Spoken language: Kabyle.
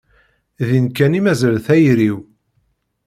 Din kan i mazal tayri-w.